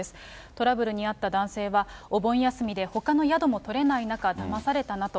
トラブルに遭った男性は、お盆休みでほかの宿も取れない中、だまされたなと。